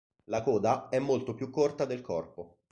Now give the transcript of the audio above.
La coda è molto più corta del corpo.